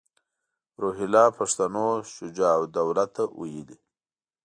روهیله پښتنو شجاع الدوله ته ویلي.